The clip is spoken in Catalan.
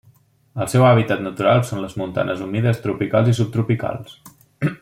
El seu hàbitat natural són les montanes humides tropicals i subtropicals.